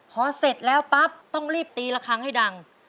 พอเสร็จแล้วปั๊บต้องรีบตีละครั้งให้ดัง